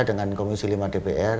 dengan komisi lima dpr